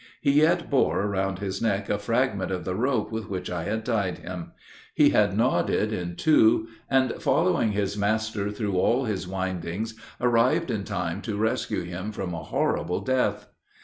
He yet bore around his neck a fragment of the rope with which I had tied him. He had gnawed it in two, and, following his master through all his windings, arrived in time to rescue him from a horrible death.